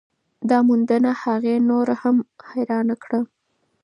دا موندنه هغې نوره هم حیرانه کړه.